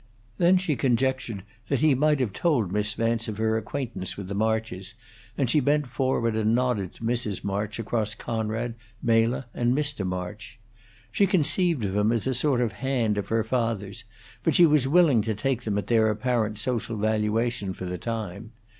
Then she conjectured that he might have told Miss Vance of her acquaintance with the Marches, and she bent forward and nodded to Mrs. March across Conrad, Mela, and Mr. March. She conceived of him as a sort of hand of her father's, but she was willing to take them at their apparent social valuation for the time.